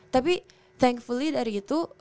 tapi thankfully dari itu